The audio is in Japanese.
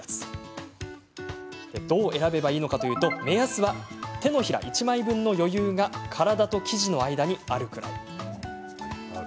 どう選べばいいのかというと目安は、手のひら１枚分の余裕が体と生地の間にあるくらい。